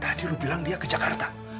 tadi lu bilang dia ke jakarta